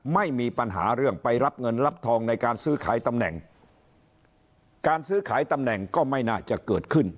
ไม่มีปัญหาเรื่องไปรับเงินรับทองในการซื้อขายตำแหน่งการซื้อขายตำแหน่งก็ไม่น่าจะเกิดขึ้น